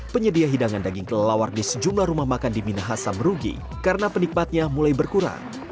penyedia hidangan daging kelelawar di sejumlah rumah makan di minahasa merugi karena penikmatnya mulai berkurang